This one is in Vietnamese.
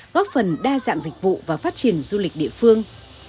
góp phần đa dạng dịch vụ và phát triển du lịch địa phương